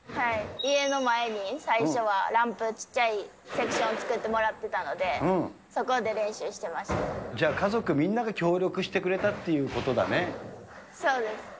家の前に最初はランプ、小っちゃいセクション作ってもらってたので、そこで練習してましじゃあ、家族みんなが協力しそうです。